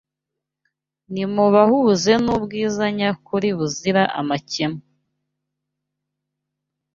Nimubahuze n’ubwiza nyakuri buzira amakemwa